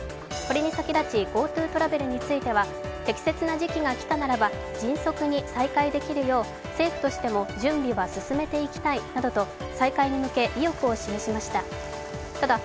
これに先立ちＧｏＴｏトラベルについては適切な時期が来たならば迅速に再開できるよう政府としても準備は進めていきたいなどと再開に向け、意欲を示しました。